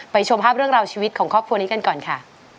ชมภาพเรื่องราวชีวิตของครอบครัวนี้กันก่อนค่ะ